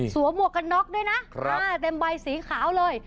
หมวกกันน็อกด้วยนะเต็มใบสีขาวเลย